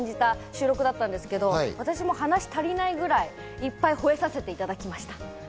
収録だったんですけど、私も話し足りないくらい、いっぱい吠えさせていただきました。